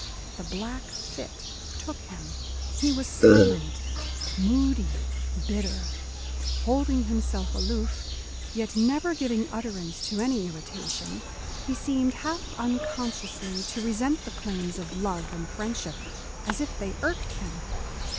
The black fit took him. He was silent, moody, bitter. Holding himself aloof, yet never giving utterance to any irritation, he seemed half unconsciously to resent the claims of love and friendship, as if they irked him.